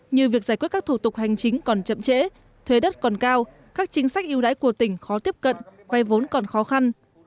như việc giải quyết các thủ tục hành chính còn chậm trễ thuê đất còn cao các chính sách yêu đãi của tỉnh khó tiếp cận vay vốn còn khó khăn